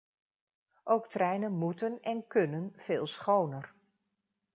Ook treinen moeten en kunnen veel schoner.